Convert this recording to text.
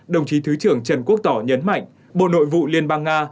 đồng chí thứ trưởng trần quốc tỏ nhấn mạnh bộ nội vụ liên bang nga